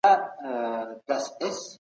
کابینه ترانزیتي لاره نه تړي.